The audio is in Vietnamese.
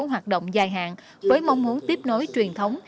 hoạt động dài hạn với mong muốn tiếp nối truyền thống